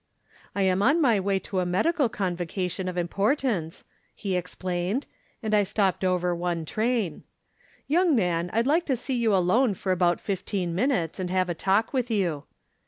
" I am on my way to a medical convocation of importance," he explained, " and I stopped over one train." " Young man, I'd hke to see you alone for about fifteen minutes, and have a talk with you."